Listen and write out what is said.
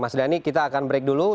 mas dhani kita akan break dulu